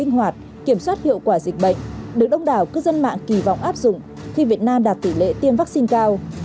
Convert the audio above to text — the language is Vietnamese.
điện thoại linh hoạt kiểm soát hiệu quả dịch bệnh được đông đảo cư dân mạng kỳ vọng áp dụng khi việt nam đạt tỷ lệ tiêm vaccine cao